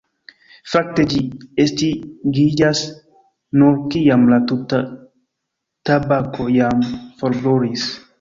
Fakte, ĝi estingiĝas nur kiam la tuta tabako jam forbrulis.